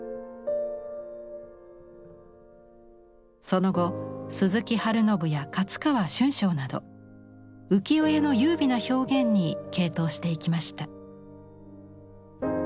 その後鈴木春信や勝川春章など浮世絵の優美な表現に傾倒していきました。